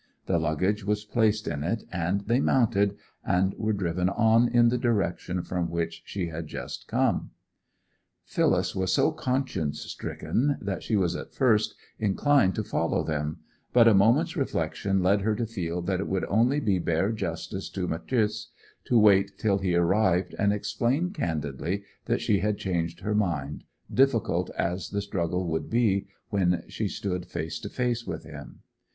The luggage was placed in it, and they mounted, and were driven on in the direction from which she had just come. Phyllis was so conscience stricken that she was at first inclined to follow them; but a moment's reflection led her to feel that it would only be bare justice to Matthäus to wait till he arrived, and explain candidly that she had changed her mind—difficult as the struggle would be when she stood face to face with him.